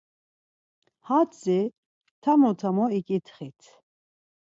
Hatzi tamo tamo iǩitxit.